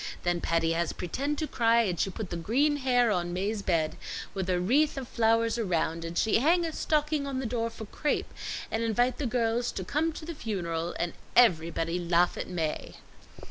Then Patty has pretend to cry, and she put the green hair on Mae's bed with a wreath of flowers around, and she hang a stocking on the door for crape, and invite the girls to come to the funeral, and everybody laugh at Mae."